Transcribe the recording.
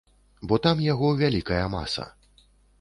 Бо там яго вялікая маса.